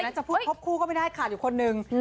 ดีใส่ว่ามีคนก็ไม่ได้ขาดอยู่คนนึง